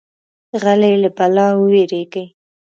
غلی، له بلا ووېریږي.